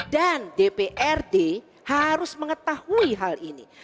dan dprd harus mengetahui hal ini